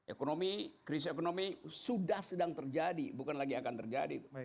ekonomi krisis ekonomi sudah sedang terjadi bukan lagi akan terjadi